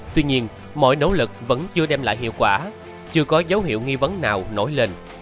tuy nhiên mọi nỗ lực vẫn chưa đem lại hiệu quả chưa có dấu hiệu nghi vấn nào nổi lên